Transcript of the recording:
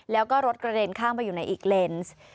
แล้วก็รถกระเด็นข้ามไปอยู่ในอีกเลนส์